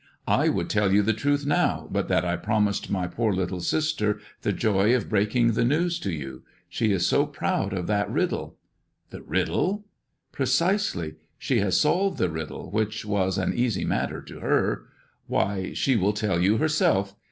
'* I would tell you the truth now, but that I promised my poor little sister the joy of breaking the news to you. She is so proud of that riddle." "The riddle?" "Precisely. She has solved the riddle, which was an easy matter to her. Why, she will tell you herself.